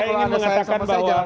saya ingin mengatakan bahwa